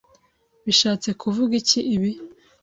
bishatse kuvuga iki ibi